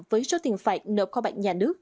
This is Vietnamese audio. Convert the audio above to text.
với số tiền phạt nộp kho bạc nhà nước